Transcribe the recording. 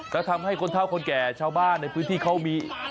แล้วทำให้คนเท่าคนแก่ชาวบ้านในพื้นที่เขามี